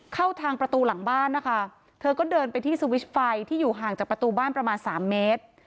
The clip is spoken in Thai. เข้าทางประตูหลังบ้านนะคะเธอก็เดินไปที่สวิชไฟที่อยู่ห่างจากประตูบ้านประมาณสามเมตร